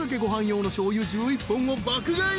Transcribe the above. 用のしょうゆ１１本を爆買い］